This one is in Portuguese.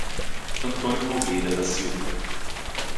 Antônio Nogueira da Silva